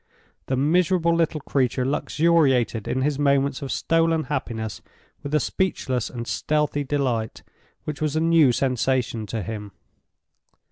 The miserable little creature luxuriated in his moments of stolen happiness with a speechless and stealthy delight which was a new sensation to him.